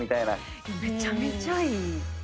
めちゃめちゃいい。